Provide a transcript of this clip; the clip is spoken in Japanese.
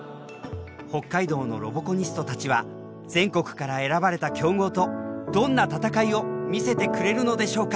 北海道のロボコニストたちは全国から選ばれた強豪とどんな戦いを見せてくれるのでしょうか？